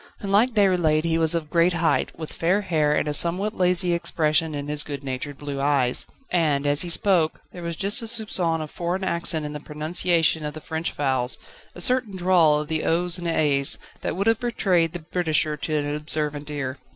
Unlike Déroulède he was of great height, with fair hair and a somewhat lazy expression in his good natured blue eyes, and as he spoke, there was just a soupçon of foreign accent in the pronunciation of the French vowels, a certain drawl of o's and a's, that would have betrayed the Britisher to an observant ear.